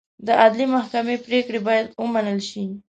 د عدلي محکمې پرېکړې باید ومنل شي.